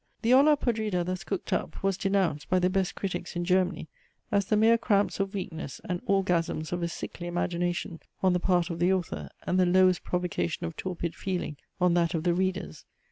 The olla podrida thus cooked up, was denounced, by the best critics in Germany, as the mere cramps of weakness, and orgasms of a sickly imagination on the part of the author, and the lowest provocation of torpid feeling on that of the readers.